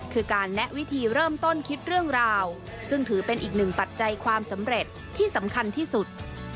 คือการแนะวิธีเริ่มต้นคิดเรื่องราวซึ่งถือเป็นอีกหนึ่งปัจจัยความสำเร็จที่สำคัญที่สุด